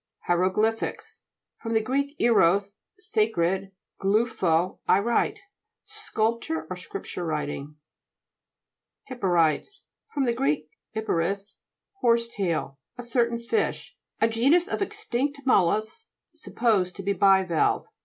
HIEROGLY'PHICS fr. gr. ieros, sa cred, gluphd, I write. Sculpture or scripture writing. HI'PPUHITES fr. gr. ippouris, horse tail : a certain fish. A genus of extinct mollusks, supposed to be bivalve.